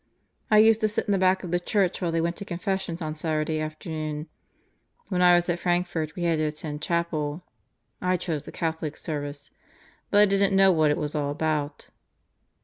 I used to sit in the back of the church while they went to Confession on Saturday afternoon. When I was at Frank fort we had to attend Chapel. I chose the Catholic service. But I didn't know what it was all about."